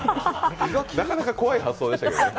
なかなか怖い発想でしたけどね。